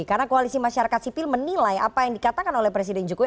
karena koalisi masyarakat sipil menilai apa yang dikatakan oleh presiden jokowi